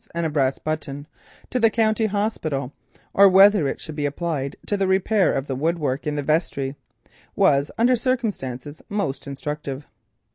and a brass button) to the county hospital, or whether it should be applied to the repair of the woodwork in the vestry, was under the circumstances most instructive.